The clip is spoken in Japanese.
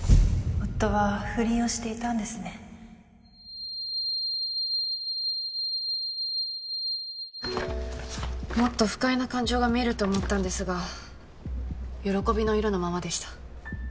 夫は不倫をしていたんですねもっと不快な感情が見えると思ったんですが「喜び」の色のままでした。